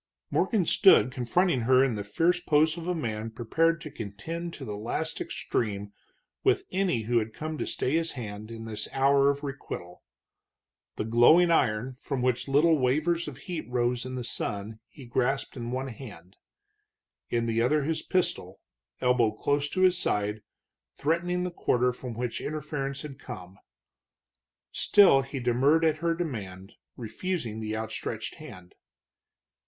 Morgan stood confronting her in the fierce pose of a man prepared to contend to the last extreme with any who had come to stay his hand in his hour of requital. The glowing iron, from which little wavers of heat rose in the sun, he grasped in one hand; in the other his pistol, elbow close to his side, threatening the quarter from which interference had come. Still he demurred at her demand, refusing the outstretched hand.